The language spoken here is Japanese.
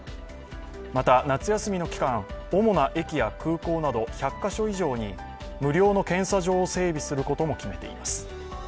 また、夏休みの期間、主な駅や空港など１００カ所以上に無料の検査場を整備することを決めています。